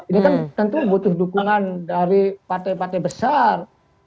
ini kan tentu butuh dukungan dari partai partai besar